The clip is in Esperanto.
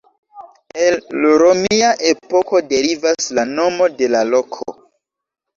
El romia epoko derivas la nomo de la loko.